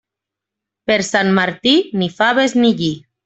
Per Sant Martí, ni faves ni lli.